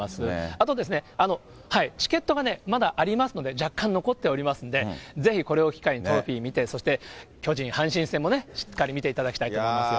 あとですね、チケットがね、まだありますので、若干残っておりますので、ぜひこれを機会にトロフィー見て、そして巨人・阪神戦もね、しっかり見ていただきたいと思いますよ。